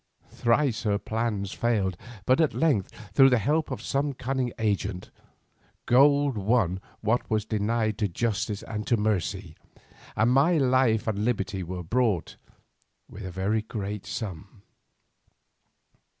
Thrice her plans failed, but at length through the help of some cunning agent, gold won what was denied to justice and to mercy, and my life and liberty were bought with a very great sum.